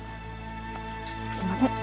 すいません。